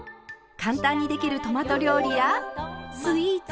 簡単にできるトマト料理やスイーツ。